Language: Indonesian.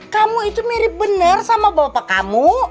kamu itu mirip benar sama bapak kamu